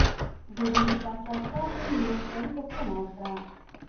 د روم د پاچا استازي له یوه سړي پوښتنه وکړه.